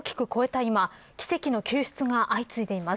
今奇跡の救出が相次いでいます。